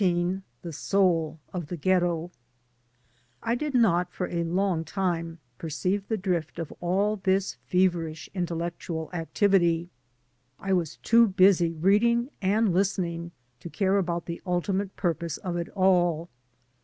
xin THE SOUL OF THE GHETTO I DID not for a long time perceive the drift of all this feverish intellectual activity. I was too busy reading and listening to care about the ultimate purpose of it all.